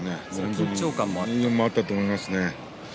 緊張感もあったと思います。